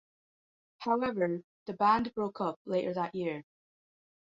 However, the band broke up later that year.